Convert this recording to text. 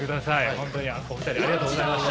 本当にお二人ありがとうございました。